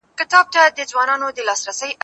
زه به سبا سفر کوم!.